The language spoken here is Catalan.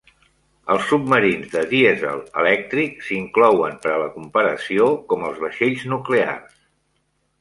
Els submarins de dièsel elèctric s'inclouen per a la comparació com els vaixells nuclears.